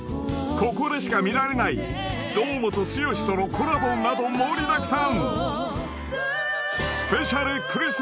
ここでしか見られない堂本剛とのコラボなど盛りだくさん！